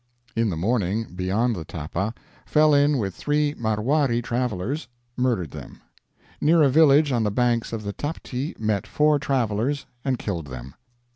"In the morning, beyond the Thapa, fell in with 3 Marwarie travelers; murdered them. "Near a village on the banks of the Taptee met 4 travelers and killed them.